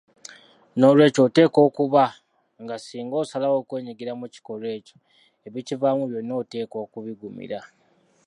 Noolwekyo oteekwa okulaba nga singa osalawo okwenyigira mu kikolwa ekyo ebikivaamu byonna oteekwa okubigumira.